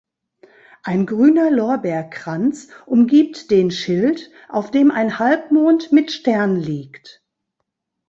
Ein grüner Lorbeerkranz umgibt den Schild, auf dem ein Halbmond mit Stern liegt.